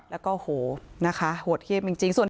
แล้วก็โหหัวเทียบจริง